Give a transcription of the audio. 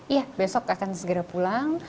iya besok akan segera pulang